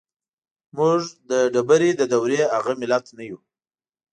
موږ د ډبرې د دورې هغه ملت نه يو.